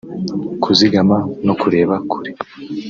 kuzigama no kureba kure